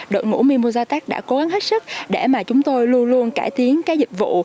đội ngũ mimosa tech đã cố gắng hết sức để mà chúng tôi luôn luôn cải tiến cái dịch vụ